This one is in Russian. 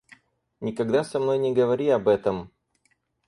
Никогда со мной не говори об этом.